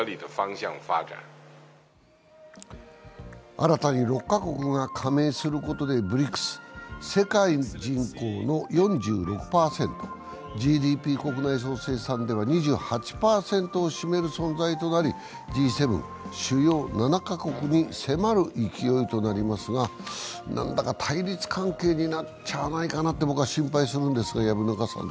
新たに６か国が加盟することでＢＲＩＣＳ、世界人口の４６％、ＧＤＰ＝国内総生産では２８％を占める存在となりＧ７＝主要７か国に迫る勢いとなりますが、なんだか対立関係になっちゃわないかなと僕は心配するんですが。